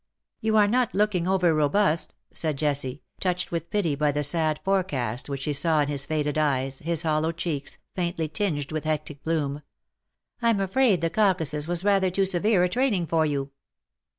'^" You are not looking over robust/^ said Jessie, touched with pity by the sad forecast which she saw in his faded eyes_, his hollow cheeks, faintly tinged with hectic bloom. '' Fm afraid the Caucasus was rather too severe a training for you."